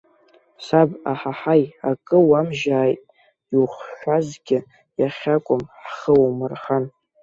Саб, аҳаҳаи, акы уамжьааит, иухшазгьы иахьакәым ҳхы умырхан!